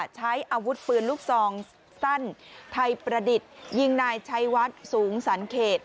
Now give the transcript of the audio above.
ใช้อาวุธปืนลูกซองสั้นไทยประดิษฐ์ยิงนายชัยวัดสูงสันเขต